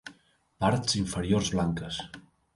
Parts inferiors blanques.